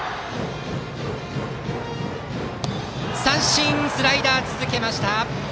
三振、スライダー続けました。